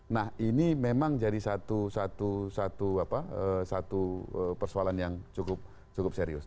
nah ini memang jadi satu persoalan yang cukup serius